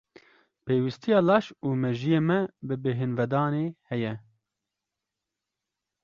Pêwistiya laş û mejiyê me bi bêhinvedanê heye.